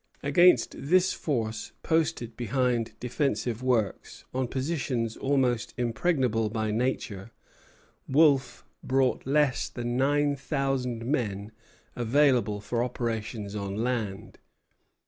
Against this force, posted behind defensive works, on positions almost impregnable by nature, Wolfe brought less than nine thousand men available for operations on land.